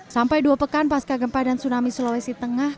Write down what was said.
sampai dua pekan pas kagempa dan tsunami sulawesi tengah